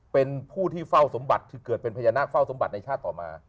เป็นผู้ที่เฝ้าสมบัติคือเกิดเป็นพญานาคเฝ้าสมบัติในชาติต่อมา